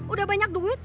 udah banyak duit